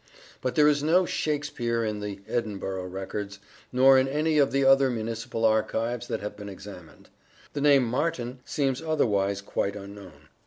But there is no Shakspere in the Edinburgh records, nor in any of the other municipal archives that have been examined. The name Martin seems otherwise quite unknown.